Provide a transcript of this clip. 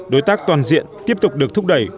đối tác toàn diện tiếp tục được thúc đẩy